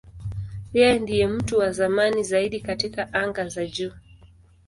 Yeye ndiye mtu wa zamani zaidi katika anga za juu.